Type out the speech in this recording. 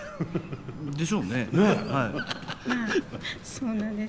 そうなんです。